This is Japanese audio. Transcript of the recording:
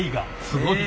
すごい。